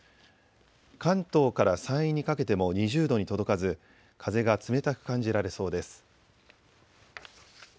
関東から山陰にかけても２０度に届かず風が冷たく感じられそうです。